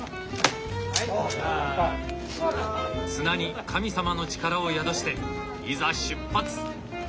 綱に神様の力を宿していざ出発！